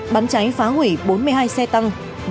bắn cháy phá hủy bốn mươi hai xe tăng